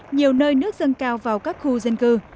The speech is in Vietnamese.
nhiều nơi nước dâng cao vào các khu dân cư